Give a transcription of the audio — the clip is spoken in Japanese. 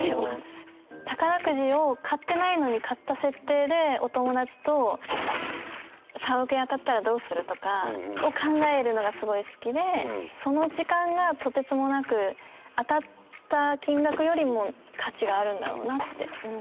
宝くじを買ってないのに買った設定でお友達と「３億円当たったらどうする？」とかを考えるのがすごい好きでその時間がとてつもなく当たった金額よりも価値があるんだろうなって思います。